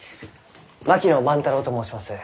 槙野万太郎と申します。